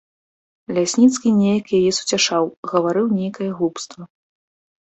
Лясніцкі неяк яе суцяшаў, гаварыў нейкае глупства.